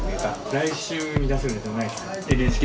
来週に出せるネタないすか？